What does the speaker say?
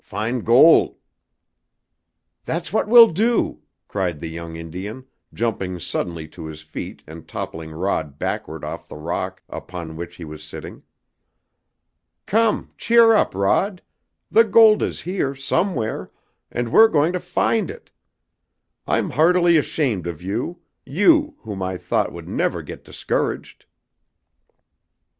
Fin' gol'!" "That's what we'll do!" cried the young Indian, jumping suddenly to his feet and toppling Rod backward off the rock upon which he was sitting. "Come, cheer up, Rod! The gold is here, somewhere, and we're going to find it! I'm heartily ashamed of you; you, whom I thought would never get discouraged!"